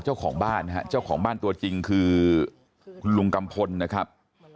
เจ้าของบ้านนะฮะเจ้าของบ้านตัวจริงคือคุณลุงกัมพลนะครับ